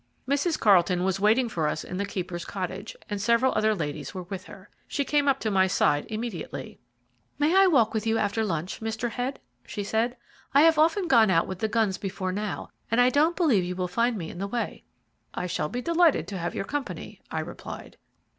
Mrs. Carlton was waiting for us in the keeper's cottage, and several other ladies were with her. She came up to my side immediately. "May I walk with you after lunch, Mr. Head?" she said. "I have often gone out with the guns before now, and I don't believe you will find me in the way." "I shall be delighted to have your company," I replied.